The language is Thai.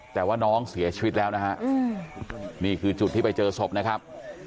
แต่ว่าน้องเสียชีวิตแล้วนะฮะนี่คือจุดที่ไปเจอศพนะครับ